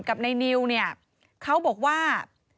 กับในนิวเนี่ยเขาบอกว่า